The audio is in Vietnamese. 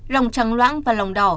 ròng trắng loãng và lòng đỏ